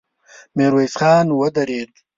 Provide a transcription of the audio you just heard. ميرويس خان ودرېد.